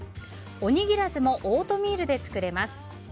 おにぎらずもオートミールで作れます。